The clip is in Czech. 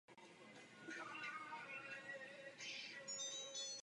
Na druhou stranu se autor dočkal podpory ze zahraničí.